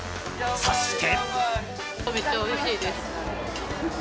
そして。